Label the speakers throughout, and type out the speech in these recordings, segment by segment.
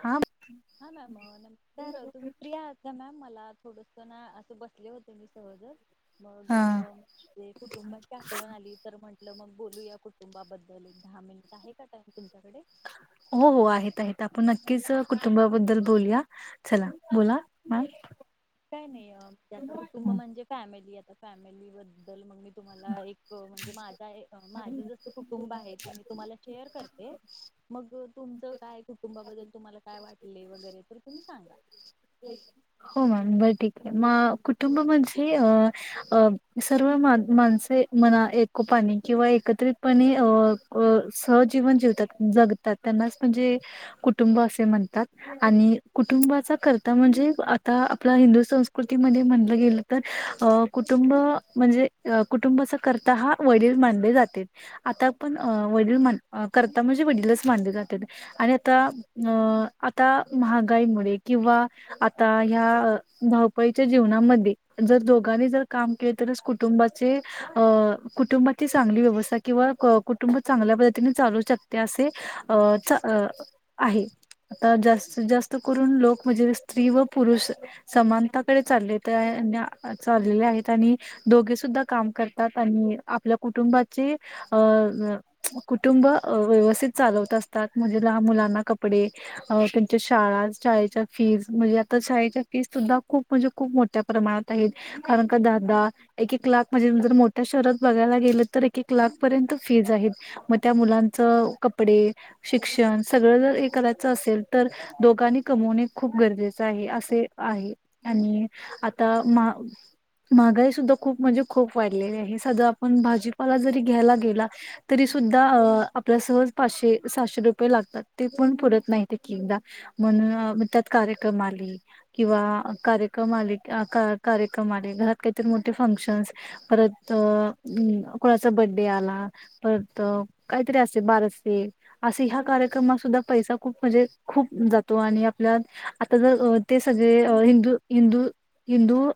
Speaker 1: हा
Speaker 2: हा मॅम नमस्कार तुम्ही प्रिया आता मॅम मला थोडस ना असं बसले होत ते मी सहजच मग ते कुटुंबाची आठवण आली तर म्हटलं मग बोलू या कुटुंबाबद्दल एक दहा मिनिट आहे काय तुमच्याकडे
Speaker 1: हो हो आहेत आहेत आपण नक्कीच कुटुंबाबद्दल बोलूया चला बोला मॅम
Speaker 2: काय नाही ते आता कुटुंब म्हणजे फॅमिली फॅमिलीबद्दल मंग मी तुम्हाला एक म्हणजे माझा ए माझ जस कुटुंब आहे ते मी तुम्हाला शेअर करते मग तुमचं काय कुटुंबाबद्दल तुम्हाला काय वाटले वगैरे तर तुम्ही सांगा.
Speaker 1: हो मॅम बर ठीक आहे म कुटुंब म्हणजे अ अ सर्व मा माणसे मना एकोपाने किंवा एकत्रितपणे अ सहजीवन जीवतात जगतात त्यांनाच म्हणजे कुटुंब असे म्हणतात आणि कुटुंबाचा कर आता म्हणजे आता आपल्या हिंदू संस्कृतीमध्ये म्हणलं गेलं तर अ कुटुंब म्हणजे कुटुंबाचा करता हा वडील माणले जाते आता पण वडील मान कर्ता म्हणजे वडीलच माणले जातात आणि आता अ आता महागाईमुळे किंवा आता ह्या धावपळीच्या जीवनामध्ये जर दोघांनी जर काम केले तरच कुटुंबाचे अ कुटुंबाची चांगली व्यवस्था किंवा कुटुंब चांगल्या पद्धतीने चालू शकते असे अ आहे आता जास्तीत जास्त करून लोक म्हणजे स्त्री व पुरुष समानताकडे चालले आहे चाललेले आहेत आणि दोघे सुद्धा काम करतात आणि आपल्या कुटुंबाचे अ कुटुंब व्यवस्थित चालवत असतात म्हणजे लहान मुलांना कपडे त्यांच्या शाळा शाळेच्या फीज म्हजे आता शाळेच्या फीज सुद्धा खूप म्हणजे खूप मोठ्या प्रमाणात आहेत, कारण का धा, धा एकेक लाख म्हणजे जर मोठ्या शहरात बघायला गेलं तर एकेक लाख पर्यंत फीज आहेत. मग त्या मुलांच कपडे, शिक्षण सगळं जर हे करायचं असेल तर दोघांनी कमवणे खूप गरजेच आहे. असे आहे. आणि आता महा महागाई सुद्धा खूप म्हणजे खूप वाढलेली आहे. साध आपण भाजीपाला जरी घ्यायला गेला तरी सुद्धा अ आपल्या सहज पाशे, साशे रुपये लागतात. ते पण पुरत नाहीत एकेकदा म्हण म त्यात कार्यक्रम आली किंवा कार्यक्रम आले कार्यक्रम आले घरात काहीतरी मोठे फंक्शनस परत अ कुणाचा बर्थडे आला परत काहीतरी असे बारसे असे ह्या कार्यक्रमात सुद्धा पैसा खूप म्हणजे खूप जातो आणि आपल्या आता जर ते सगळे हिंदू हिंदू हिंदू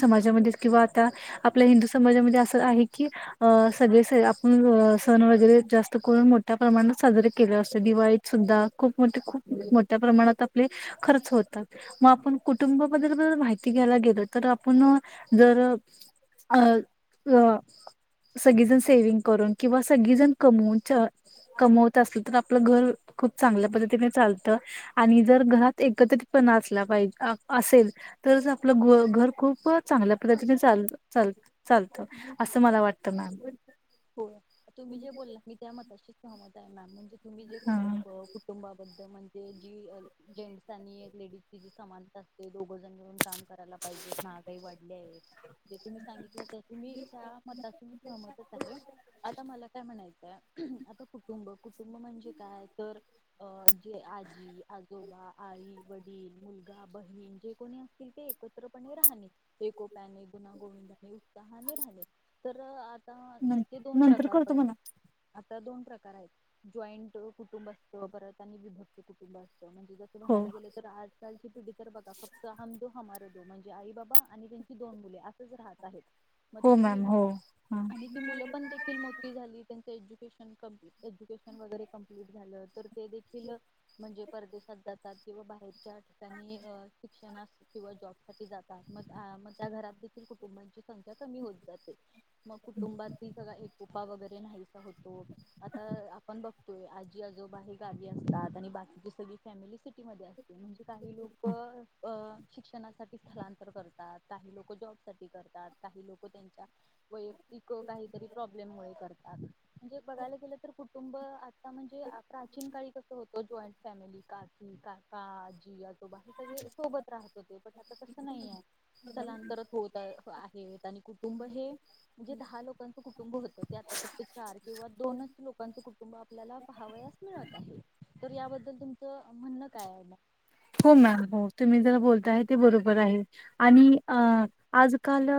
Speaker 1: समाजामध्ये किंवा आता आपल्या हिंदू समाजामध्ये असं आहे की अ सगळे स आपण सण वगैरे जास्त करून मोठ्या प्रमाणात साजरे केले असते दिवाळीत सुद्धा खूप मोठ खूप मोठ्या प्रमाणात खर्च होतात मग आपण कुटुंबाबद्दल माहिती घ्यायला गेलो तर आपण जर अ सगळेजण सेविंग करून किंवा सगळीजण कमवून कमवत असल तर आपलं घर खूप चांगल्या पद्धतीने चालतं आणि जर घरात एकत्रितपणा असला पाहिजअ असेल तरच आपलं घर खूप चांगल्या पद्धतीने चाल चाल चालत असं मला वाटत मॅम
Speaker 2: हो तुम्ही जे बोलला मी त्या मताशी सहमत [unintelligible] तुम्ही जे
Speaker 1: हा
Speaker 2: कुटुंब कुटुंबाबद्द म्हणते जी जेंट्स आणि लेडीजची समानता असते दोघजण मिळून काम करायला पाहिजेत महागाई वाढली आहे जे तुम्ही सांगितलं ते तुम्ही त्या मताशी सहमतच आहे. आता मला काय म्हणाय आता कुटुंब कुटुंब म्हणजे काय तर अ जे आजी आजोबा आई वडील मुलगा बहीण जे कोणी असतील ते एकत्रपणे राहणे एकोप्याने गुणा गोविंदाने उत्साहाने राहणे तर आता
Speaker 1: नं-
Speaker 2: ह्याचे दोन
Speaker 1: नंतर
Speaker 2: प्रकार
Speaker 1: करतो
Speaker 2: पडतात.
Speaker 1: मला
Speaker 2: आता दोन प्रकार आहेत जॉईंट कुटुंब असत परत आणि विभक्त कुटुंब अस म्हणजे जसं
Speaker 1: हो
Speaker 2: म्हणायला गेलं तर आजकालची पिढी तर बघा फक्त हम दो हमारे दो म्हणजे आई बाबा आणि त्यांची दोन मुले असंच राहत आहेत. मग
Speaker 1: हो
Speaker 2: ती
Speaker 1: मॅम हो हम्
Speaker 2: आणि मुलं पण देखील मोठी झाली त्यान एज्युकेशन कम्प्लिट एज्युकेशन वगैरे कंप्लीट झालं. तर ते देखील म्हणजे परदेशात जातात किंवा बाहेरच्या ठिकाणी अ शिक्षणास किंवा जॉब साठी जातात म आं म त्या घरात देखील कुटुंबांची संख्या कमी होत जाते मग तुंबाती सगा एक कुफा वगैरे ते नाहीसा होतो आता आपण बघतोय आजी आजोबा हे गावी असतात आणि बाकीची सगळी फॅमिली सिटी मधे अस म्हणजे काही लोकं अ शिक्षणासाठी स्थलांतर करतात काही लोक जॉब साठी करतात काही लोक त्यांच्या वैयक्तिक क‌ काहीतरी प्रॉब्लेममुळे करतात म्हणजे बघायला गेलं तर कुटुंब आता म्हणजे अ प्राचीन काळी कस होतं जॉईंट फॅमिली काकी काका आजी आजो त बाकी सगळे सोबत राहत होते पण आता तसं नाहीये स्थलांतर होत आहेत आणि कुटुंब हे म्हणजे धा हा लोकांच कुटुंब होत ते आता फक्त चार किंवा दोन लोकांच कुटुंब आपल्याला पहावयास मिळत आहे तर या बद्द तर तुमचं म्हणणं काय आहे मग
Speaker 1: हो मॅम हो तुम्ही जरा बोल ते आहे ते बरोबर आहे आणि अ आजकाल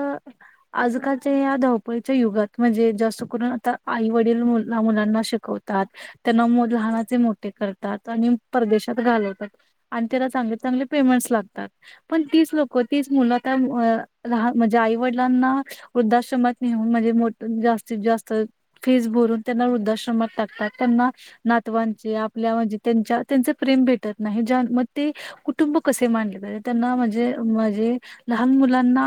Speaker 1: आजकालच्या या धावपळीच्या युगात म्हणजे जस करून आता आई वडील मुल मुलांना शिकवतात त्यांना लहानाचे मोठे करतात आणि परदेश त्यात घालवतात आणि त्यांना चांगले चांगले पेमेंट्स लागतात पण तीच लोक तीच मुलं त्या म्हणजे आईवडिलांना वृद्धश्रमात नेहुन म्हणजे जास्तीत जास्त फीज् भरून त्यांना वृद्धाश्रमात टाकतात त्यांना नातवांचे आपल्या म्हणजे त्यांच्या त्यांच प्रेम भेटत नाही ज्या म ते कुटुंब कसे मांडले पाहिजे त्यांना म्हणजे म्हणजे लहान मुलांना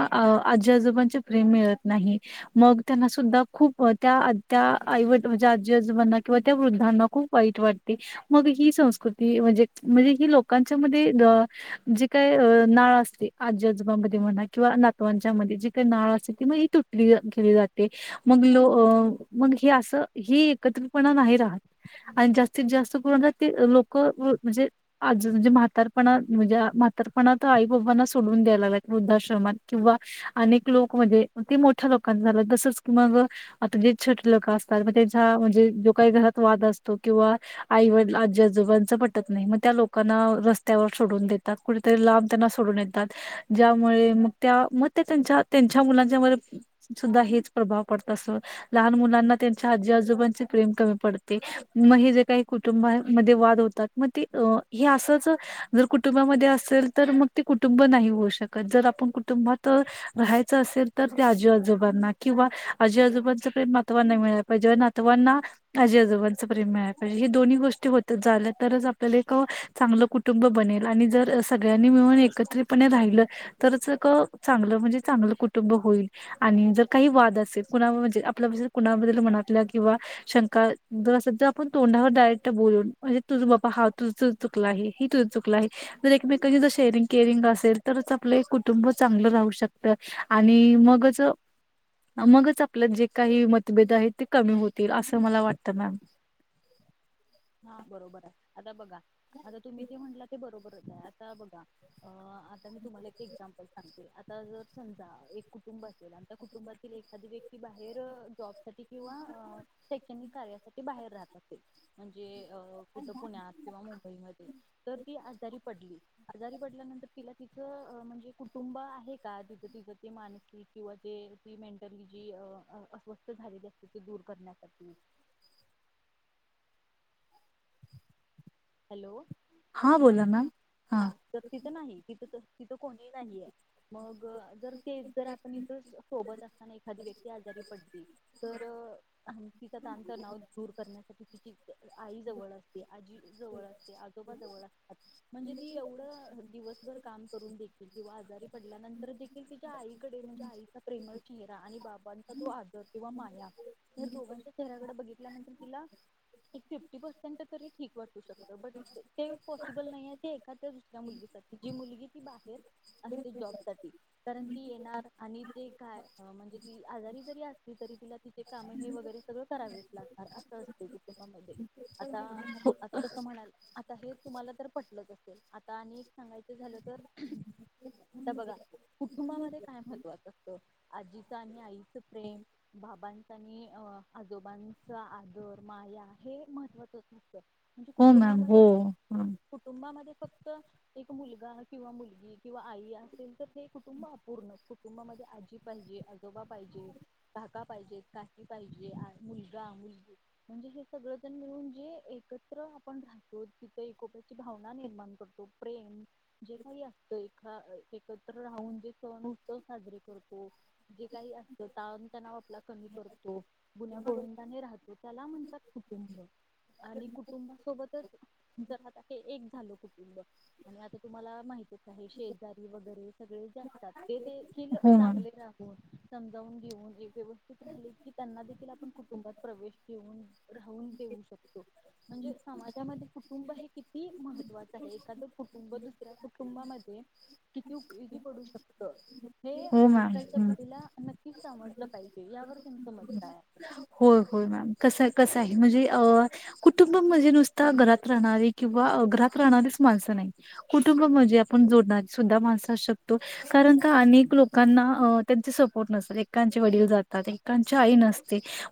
Speaker 1: आजी आजोबांचे प्रेम मिळत नाही मग त्यांना सुद्धा खूप त्या त्या आईवडील म्हणजे आजी आजोबांना किंवा त्या वृद्धांना खूप वाईट वाटते मग ही संस्कृती ती म्हणजे म्हणजे ही लोकांच्या मध्ये जी काय नाळं असते आजी आजोबामध्ये म्हणा किंवा नातवांच्या मध्ये जी काही नाळं असते ती मग ही तुटली केली जाते मग लो मग हे असं ही एकत्रपणा नाही राहत आणि जास्तीत जास्त पर्ण ते लोक लोक म्हणजे आज म्हणजे म्हातारपणा म्हणजे म्हातारपणा तर आई बाबांना सोडून द्यायला लागलात वृद्धाश्रमात किंवा अनेक लोक म्हणजे ते मोठ्या लोकांना झाला जसच कि मग आता जे छोटे लोक असतात, त्याचा म्हणजे जो काही घरात वाद असतो किंवा आईवडील आजीआजोबा चं पडत नाही मग त्या लोकांना रस्त्यावर सोडून देतात, कुठेतरी लांब त्यांना सोडून येतात, ज्यामुळे मग त्या मग त्यां त्यांच्या मुलांच्या सुद्धा हेच प्रभाव पडत असो लहान मुलांना त्यांच्या आजी आजोबांचे प्रेम कमी पडते मग हे जे काही कुटुंबामध्ये वाद हो होतात म ती हे असंच जर कुटुंबामध्ये असेल तर मग ते कुटुंब नाही होऊ शकत, जर आपण कुटुंबात राहायचं असेल तर ते आजू आजोबांना किंवा आजी आजोबांच प्रेम नातवांना मिळाय पाहिजे, नातवांना आजी आजोबांच प्रेम मिळायला पाहिजे हे दोन्ही गोष्टी होत झाल्या तरच आपल्याला एक चांगलं कुटुंब बनेल आणि जर सगळ्यांनी मिळून एकत्रितपणे राहिलं तरच एक चांगलं म्हणजे चांगलं कुटुंब होईल आणि जर काही वाद असेल कुणा म्हणजे आपल्याद्दल कुणाबद्दल मनातल्या किंवा शंका जर असेल जर आपण तोंडावर डायरेक्ट बोलून म्हणजे तुझ बापा हा तुझ चुकला आहे ही तुझ चुकला आहे जर एकमेकांची जर शेअरिंग केअरिंग असेल तरच आपलं कुटुंब चांगलं राहू शकतं आणि मगच मगच आपलं जे काही मतभेद आहेत ते कमी होतील असं मला वाटत मॅम
Speaker 2: हा बरोबर आहे आता बघा आता तुम्ही जे म्हटलं ते बरोबरच आता बघा अ आता मी तुमला एक एक्साम्पल सांग आता जर समजा एक कुटुंब असेल आणि त्या कुटुंबातील एखादी व्यक्ती बाहेर जॉब साठी किंवा शैक्षणिक कार्यासाठी बाहेर राहत असेल. म्हणजे अ कुठं पुण्यात किंवा मुंबईमध्ये तर ती आजारी पडली आजारी पडल्यानंतर तिला तिचं म्हणजे कुटुंब आहे का ति तिचं ते मानसिक किंवा ते ती मेंटली जी अस्वस्थ झालेली असते त दूर करण्यासाठी हॅलो
Speaker 1: हा बोला मॅम हा
Speaker 2: तर तिथं नाही तिथं त- तिथं कोणीही नाहीये मग जर ते जर आपण इथ सोबत असताना एखादी व्यक्ती आजारी पडते तर तिचा तण तणाव दूर करण्यासाठी तिची आई जवळ असते आजी जवळ असते आजोबा जवळ असतात म्हणजे ती एवढं दिवसभर काम करून देखील किंवा आजारी पडल्यानंतर देखील तिच्या आईकडे म्हणजे आईचा प्रेमळ चेहरा आणि बाबांचा तो आधार किंवा माया या दोघांच्या चेहऱ्याकडे बघितल्यानंतर तिला एक फिफ्टी पर्सेंट तरी ठीक वाटू शकत बर ते पॉसिबल नाहीये ते घरातल्या दुसऱ्या मुलगीसाठी जी मुलगी ती बाहेर असते जॉब साठी कारण ती येणार आणि ते काय म्हणजे ती आजारी जरी असली तरी तिला तिचे काम हे वगैरे सगळं करावेच लागणार असं असते कुटुंबामध्ये आता आता तसं म्हणाल आता हे तुम्हाला तर पटलंच असेल आता आणि सांगायचं झालं तर आता बघा कुटुंबामध्ये काय महत्वाचं असतं? आजीचं आणि आईचं प्रेम, बाबांच आणि आजोबांचा आदर, माया हे महत्त्वाच असतं. म्हणजे
Speaker 1: हो मॅम
Speaker 2: कुटुंबामध्ये
Speaker 1: हो
Speaker 2: ख कुटुंबामध्ये फक्त एक मुलगा किंवा मुलगी किंवा आई असेल तर ते कुटुंब अपूर्ण. कुटुंबामध्ये आजी पाहिजे, आजोबा पाहिजे, काका पाहिजे, काकी पाहिजे मुलगा मुलगी म्हणजे हे सगळं जण मिळून जे एक एकत्र आपण राहतो तिथ एकोप्याची भावना निर्माण करतो प्रेम जे काही असत ए एकत्र राहून जे सण उत्सव साजरे करतो. जे काही असत ताण तणाव आपला कमी करतो. गुन्या गोविंदाने राहतो त्याला म्हणतात कुटुंब. आणि कुटुंबासोबतच जर आता हे एक झाल. कुटुंब आणि आता तुम्हाला माहतीच आहे शेजारी वगैरे सगळे जे असतात ते देखिल
Speaker 1: हो मॅम
Speaker 2: चांगले राहून समजावून घेऊन एक व्यवस्थित राहीलीत की त्यांना देखील आप कुटुंबात प्रवेश देऊन राहून देऊ शकतो. म्हणजे समाजामध्ये कुटुंब हे किती ही महत्वाच आहे एखादं कुटुंब दुसऱ्या कुटुंबामध्ये किती उपयोगी पडू शकत. हे
Speaker 1: हो मॅम
Speaker 2: आजकालच्या
Speaker 1: हं.
Speaker 2: पिढीला नक्की की समजलं पाहिजे. यावर तुमचं मत काय आहे?
Speaker 1: होय होय होय मॅम कस कस हाय म्हणजे कुटुंब म्हणजे नुसता घरात राहणारी किंवा घरात राहणारीच मानस नाही. कुटुंब म्हणजे आपण जोडणारी सुद्धा माणसं असू शकतो. कारण का अनेक लोकांना त्यांजीचे सपोर्ट नसतात एकेकांचे वडील जातात, एकेकाची आई नस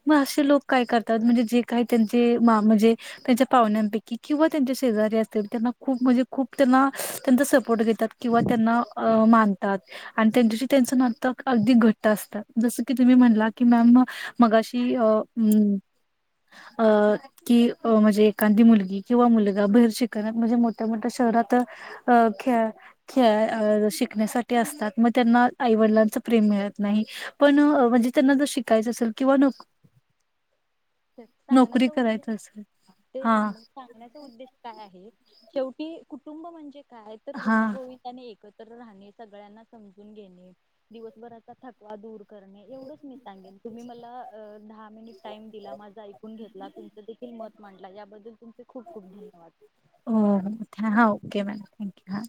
Speaker 1: म असे लोक काय करतात म्हणजे जे काही त्यांचे मा म्हणजे त्यांच्या पाहुण्यापैकी किंवा त्यांचे शेजारी असतील त्यांना खूप म्हणजे खूप त्यांना त्यांचा सपोर्ट देतात किंवा त्यांना मानतात आणि त्यांच्याशी त्यांचं नातक अगदी घट्ट असतात जस कि तुम्ही म्हणला की मॅम मग अशी अ अ की म्हणजे एखादी मुलगी किंवा मुलगा बहिर शिकण म्हणजे मोठ्या मोठ्या शहरात अ खेळा खेळा शिकण्यासाठी असतात मग त्यांना आईवडिलांच प्रेम मिळत नाही पण म्हणजे त्यांना जर शिकायचं असेल किंवा नोक नोकरी
Speaker 2: सांगण्याचा उद्देश
Speaker 1: करायचं असेल
Speaker 2: तेच
Speaker 1: हा
Speaker 2: ना मग सांगण्याचा उद्देश काय आहे शेवटी कुटुंब म्हणजे काय तर
Speaker 1: हा
Speaker 2: गुण्यागोविंदाने एक एकत्र राहणे, सगळ्यांना समजून घेणे दिवसभराचा थकवा दूर करणे एवढंच मी सांगेल. तुम्ही मला दहा मिनिट टाईम तिला माझा ऐकून घेतला तुमचं देखील मत मांडला याबद्दल तुमचे खूप खूप
Speaker 1: हो हा
Speaker 2: धन्यवाद.
Speaker 1: ओके मॅम थँक्यू हा